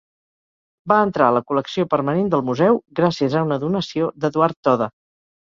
Va entrar a la col·lecció permanent del museu gràcies a una donació d'Eduard Toda.